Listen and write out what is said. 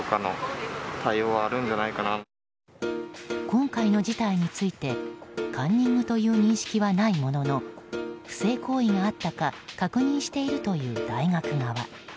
今回の事態についてカンニングという認識はないものの不正行為があったか確認しているという大学側。